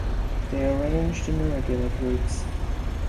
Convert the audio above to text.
They are arranged in irregular groups.